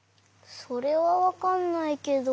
それはわかんないけど。